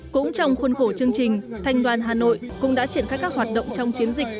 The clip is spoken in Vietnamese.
cũng trong khuôn khổ chương trình thanh đoàn hà nội cũng đã triển khai các hoạt động trong chiến dịch